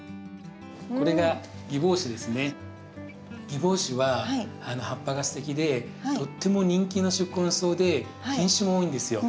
ギボウシは葉っぱがすてきでとっても人気の宿根草で品種も多いんですよ。